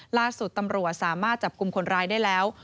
ล่าสุดตำรวจสามารถจับกลุ่มคนร้ายได้แล้ว